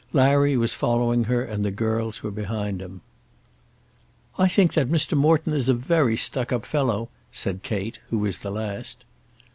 Larry was following her and the girls were behind him. "I think that Mr. Morton is a very stuck up fellow," said Kate, who was the last.